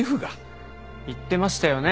言ってましたよね